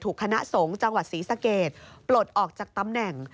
คณะสงฆ์จังหวัดศรีสะเกดปลดออกจากตำแหน่ง